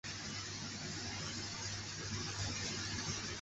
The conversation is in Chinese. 默瑟县是美国北达科他州西部的一个县。